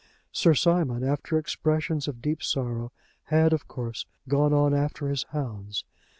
Sir Simon, after expressions of deep sorrow had, of course, gone on after his hounds.